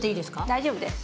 大丈夫です。